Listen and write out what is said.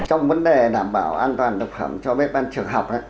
trong vấn đề đảm bảo an toàn thực phẩm cho bếp ban trường học